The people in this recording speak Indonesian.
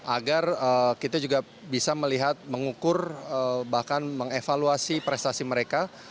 agar kita juga bisa melihat mengukur bahkan mengevaluasi prestasi mereka